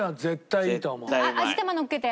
味玉のっけて。